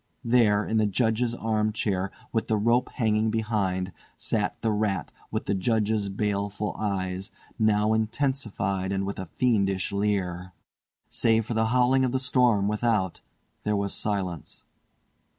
There, in the Judge's arm chair, with the rope hanging behind, sat the rat with the Judge's baleful eyes, now intensified and with a fiendish leer. Save for the howling of the storm without there was silence.